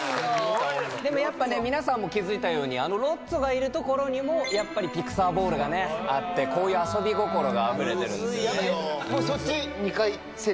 でもやっぱね皆さんも気付いたようにあのロッツォがいる所にもやっぱりピクサー・ボールがねあってこういう遊び心があふれてるんですよね。